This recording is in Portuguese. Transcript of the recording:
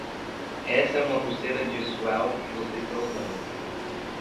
Essa é uma pulseira de swell que você está usando.